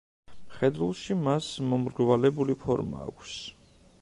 მხედრულში მას მომრგვალებული ფორმა აქვს.